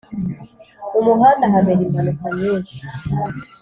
mu muhanda habera impanuka nyinshi